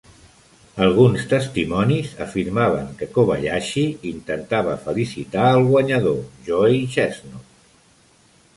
Alguns testimonis afirmaven que Kobayashi intentava felicitar el guanyador, Joey Chestnut.